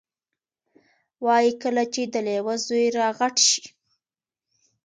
وایي کله چې د لیوه زوی را غټ شي،